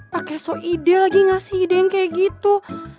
pak keso ide lagi ngasih ide yang kayak gitu